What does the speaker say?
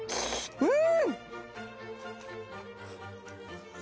うん。